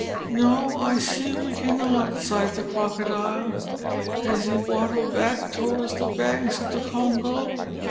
"No, I see we cannot," sighed the Crocodile, as he waddled back towards the banks of the Congo.